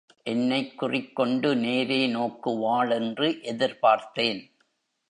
என்னைக் குறிக்கொண்டு நேரே நோக்குவாள் என்று எதிர்பார்த்தேன்.